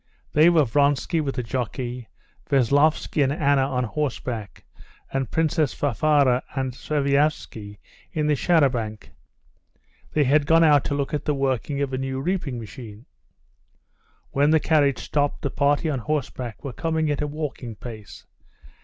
They were Vronsky with a jockey, Veslovsky and Anna on horseback, and Princess Varvara and Sviazhsky in the char à banc. They had gone out to look at the working of a new reaping machine. When the carriage stopped, the party on horseback were coming at a walking pace.